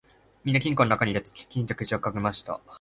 みんな金庫のなかに入れて、ぱちんと錠をかけました